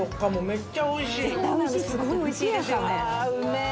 すごいおいしいですよねああうめえ！